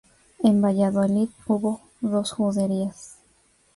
En Valladolid hubo dos juderías.